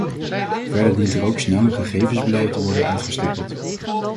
Verder dient er ook snel een gegevensbeleid te worden uitgestippeld.